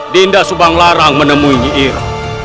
dinda subanglarang menemui nyiira